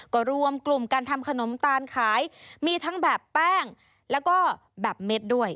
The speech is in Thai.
ก็รวมกลุ่มการทำขนมตาลขายมีทั้งแบบแป้งแล้วก็แบบเม็ดด้วย